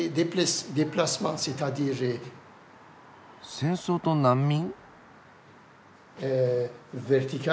戦争と難民？